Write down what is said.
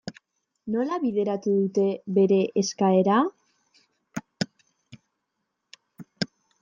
Nola bideratu dute bere eskaera?